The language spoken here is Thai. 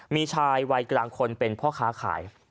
มีชายวัยกลางคนเป็นพ่อค้าขาย